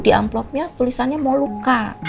di amplopnya tulisannya moluka